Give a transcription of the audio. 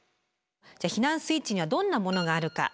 避難スイッチにはどんなものがあるか。